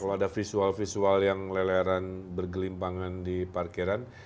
kalau ada visual visual yang leleran bergelimpangan di parkiran